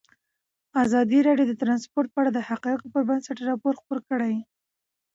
ازادي راډیو د ترانسپورټ په اړه د حقایقو پر بنسټ راپور خپور کړی.